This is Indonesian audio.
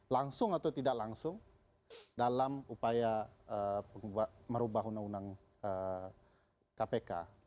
langsung atau tidak langsung dalam upaya merubah undang undang kpk